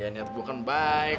ya niat gue kan baik